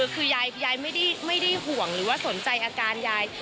คือยายไม่ได้ห่วงหรือว่าสนใจอาการยาย